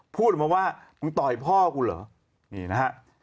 พูดออกมาว่ามึงต่อยพ่อกูเหรอนี่นะฮะ